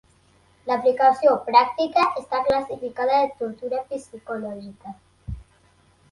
L'aplicació pràctica està classificada de tortura psicològica.